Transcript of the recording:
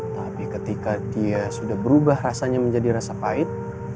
tapi ketika dia sudah berubah rasanya menjadi rasa pahit